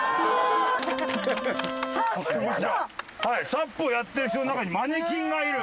ＳＵＰをやってる人の中にマネキンがいる。